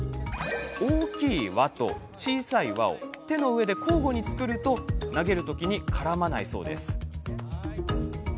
大きい輪と小さい輪を手の上で交互に作ると投げる時に絡まないそうです。